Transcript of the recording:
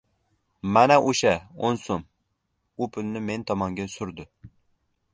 — Mana o‘sha o‘n so‘m! — U pulni men tomonga surdi.